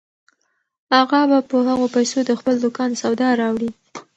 اغا به په هغو پیسو د خپل دوکان سودا راوړي.